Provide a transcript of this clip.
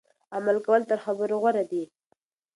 عمل کول تر خبرو غوره دي.